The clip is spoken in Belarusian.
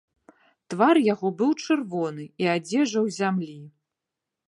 Твар яго быў чырвоны, і адзежа ў зямлі.